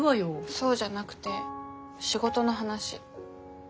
そうじゃなくて仕事の話。